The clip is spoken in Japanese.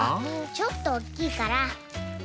ちょっとおっきいから。